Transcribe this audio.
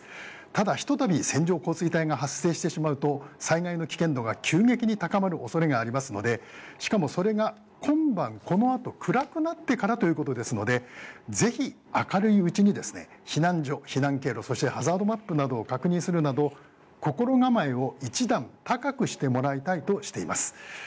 ただ、ひと度線状降水帯が発生してしまうと災害の危険度が急激に高まる恐れがありますのでしかもそれが今晩このあと暗くなってからということですのでぜひ明るいうちに避難所、避難経路そしてハザードマップなどを確認するなど心構えを一段高くしてもらいたいとしています。